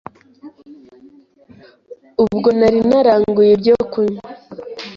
Ubwo nari naranguye ibyo kunywa